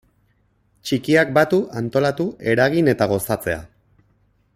Txikiak batu, antolatu, eragin eta gozatzea.